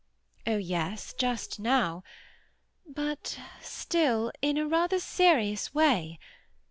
"Oh yes; just now. But—still in a rather serious way.